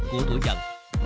của tuổi dần